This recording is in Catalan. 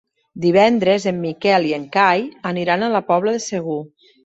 Divendres en Miquel i en Cai aniran a la Pobla de Segur.